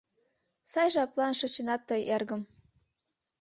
Сай жаплан шочынат тые, эргым.